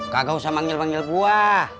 kagak usah manggil manggil buah